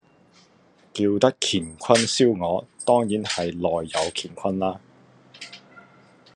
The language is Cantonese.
叫得乾坤燒鵝，當然係內有乾坤啦